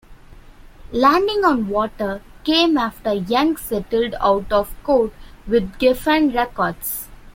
"Landing on Water" came after Young settled out of court with Geffen Records.